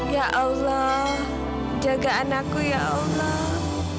ya allah jaga anakku ya allah